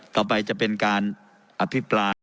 ต่อไปจะเป็นการอภิปราย